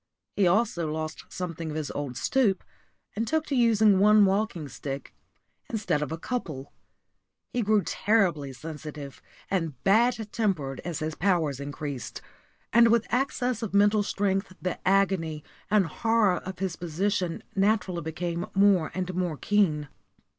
He also lost something of his old stoop, and took to using one walking stick instead of a couple. He grew terribly sensitive and bad tempered as his powers increased; and with access of mental strength the agony and horror of his position naturally became more and more keen.